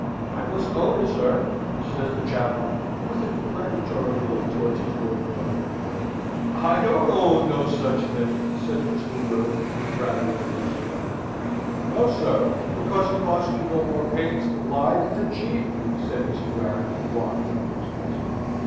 "I must own it, sir," says the chaplain, with a deprecatory look towards his lord's brother. "I don't own no such a thing," says Mr. Will, with rather a forced laugh. "No, sir: because it costs you no more pains to lie than to cheat," said Mr. Warrington, walking up to his cousin.